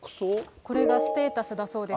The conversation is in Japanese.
これがステータスだそうです。